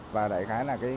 và đại khái là